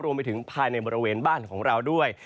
รวมไปถึงภายในบริเวณบ้านของเราด้วย